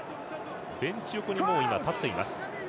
ベンチ横に立っています。